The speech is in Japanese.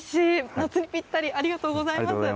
夏にぴったり、ありがとうございます。